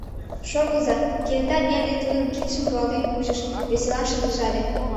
— Шогыза, — кенета Нелли тудын кидшым руалтен кучыш, веселан шыргыжале.